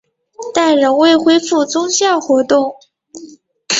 但仍未恢复宗教活动。